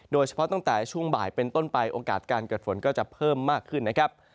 โดยเฉพาะตั้งแต่ช่วงบ่ายเป็นต้นไปโอกาสการเกิดฝนก็จะเพิ่มมากขึ้นนะครับ